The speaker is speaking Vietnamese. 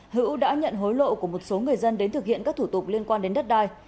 hữu đã nhận hối lộ của một số người dân đến thực hiện các thủ tục liên quan đến đất đai